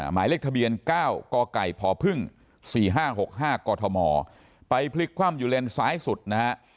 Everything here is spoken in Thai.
หมายเลขทะเบียน๙กไก่พพ๔๕๖๕กมไปพลิกคว่ำอยู่เลนซ้ายสุดนะฮะ